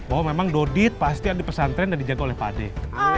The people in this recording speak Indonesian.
oh memang dodit pasti ada pesantren dan dijaga oleh padeh